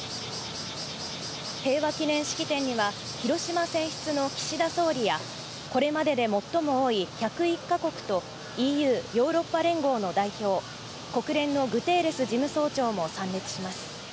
平和記念式典には、広島選出の岸田総理や、これまでで最も多い１０１か国と、ＥＵ・ヨーロッパ連合の代表、国連のグテーレス事務総長も参列します。